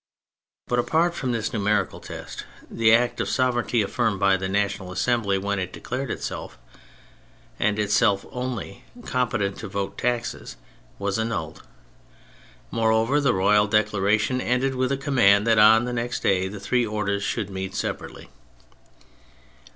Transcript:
But apart from this numerical test, the act of sovereignty affirmed by the National Assembly when it declared itself, and itself only, competent to vote taxes, was annulled. Moreover, the royal declaration ended with a conamand that on the next day the three Orders should meet separately.